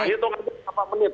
itu kan berapa menit